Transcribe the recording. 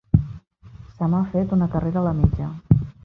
Se m'ha fet una carrera a la mitja.